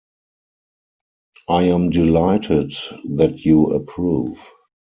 I am delighted that you approve.